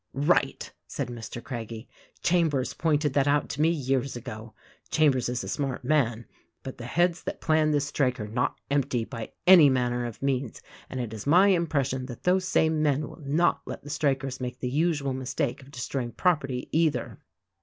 "Right!" said Mr. Craggie; "Chambers pointed that out to me years ago. Chambers is a smart man; but the heads that planned this strike are not empty, by any man ner of means; and it is my impression that those same men will not let the strikers make the usual mistake of destroy ing property, either.